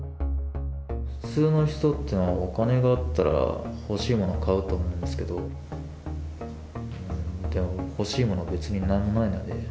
普通の人っていうのはお金があったら欲しい者を買うと思うんですけど、でも欲しいもの、別になんもないので。